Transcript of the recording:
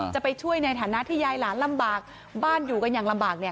จะไปช่วยในฐานะที่ยายหลานลำบากบ้านอยู่กันอย่างลำบากเนี่ย